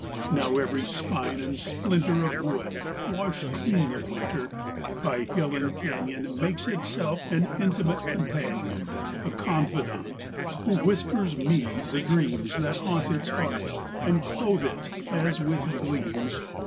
Now every spine and splinter Of wood, washed clean of winter, By hill and canyon Makes of itself an intimate companion, A confidant, who whispers me the dreams That haunt its heart, and clothe it as with gleams.